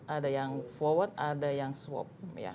ada yang forward ada yang swap